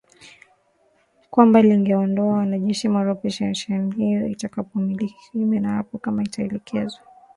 kwamba lingeondoa wanajeshi mara operesheni hiyo itakapokamilika kinyume na hapo kama itaelekezwa vinginevyo